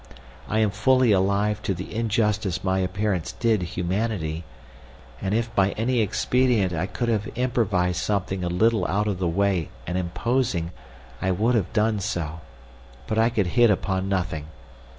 I am fully alive to the injustice my appearance did humanity, and if by any expedient I could have improvised something a little out of the way and imposing I would have done so. But I could hit upon nothing.